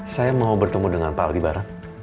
saya mau bertemu dengan pak aldi bareng